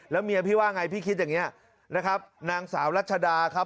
แล้วเมียพี่ว่าไงพี่คิดอย่างนี้นะครับนางสาวรัชดาครับ